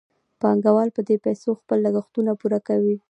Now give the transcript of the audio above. پانګوال په دې پیسو خپل لګښتونه پوره کوي